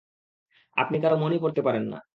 আপনি কারো মনই পড়তে পারেন না।